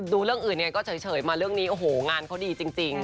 ดูเรื่องอื่นก็เฉยมาเรื่องนี้งานเขาดีจริง